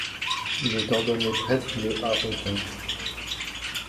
Il est ordonné prêtre le à Autun.